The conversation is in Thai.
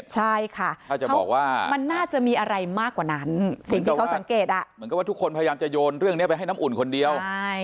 จะโยนเรื่องนี้ไปให้น้ำอุ่นคนเดียว